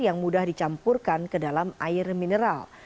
yang mudah dicampurkan ke dalam air mineral